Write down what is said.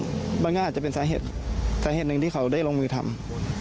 มันก็อาจจะเป็นสาเหตุสาเหตุหนึ่งที่เขาได้ลงมือทำ